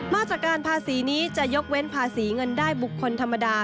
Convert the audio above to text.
มาตรการภาษีนี้จะยกเว้นภาษีเงินได้บุคคลธรรมดา